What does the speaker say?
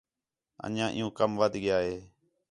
انڄیاں عِیّوں کَم وَدھ ڳِیا ہِے